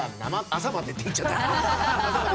朝までって言っちゃった。